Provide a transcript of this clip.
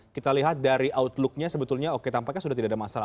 kita lihat dari outlooknya sebetulnya oke tampaknya sudah tidak ada masalah